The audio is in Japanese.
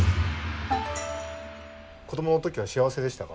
子どもの時は幸せでしたか？